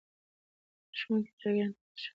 ښوونکي شاګردانو ته لارښوونه کوي.